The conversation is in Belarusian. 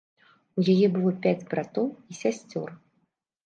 У яе было пяць братоў і сясцёр.